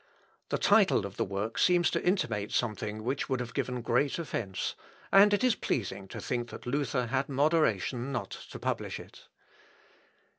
The title of the work seems to intimate something which would have given great offence, and it is pleasing to think that Luther had moderation not to publish it.